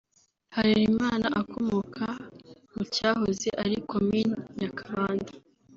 Harerimana akomoka mu cyahoze ari Komine Nyakabanda